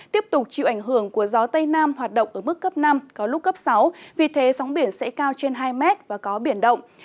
tiếp tục chịu ảnh hưởng của gió tây nam hoạt động ở mức cấp năm có lúc cấp sáu vì thế sóng biển sẽ cao trên hai mét và có biển động